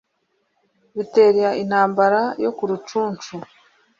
bitera intambara yo ku Rucunshu